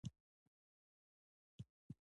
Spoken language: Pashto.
پاکوالی د ناروغیو مخه نیسي.